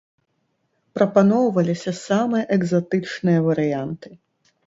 Прапаноўваліся самыя экзатычныя варыянты.